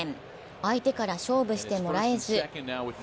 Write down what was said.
相手から勝負してもらえず。